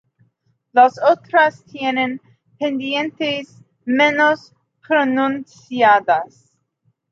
Las otras tienen pendientes menos pronunciadas.